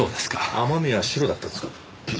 雨宮はシロだったんですか。